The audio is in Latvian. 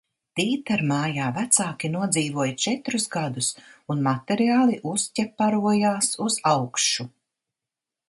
Tītarmājā vecāki nodzīvoja četrus gadus un materiāli uzķeparojās uz augšu.